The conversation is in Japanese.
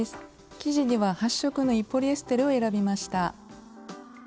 生地には発色のいいポリエステルを選びました。